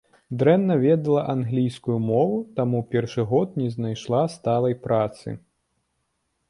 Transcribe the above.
Дрэнна ведала англійскую мову, таму ў першы год не знайшла сталай працы.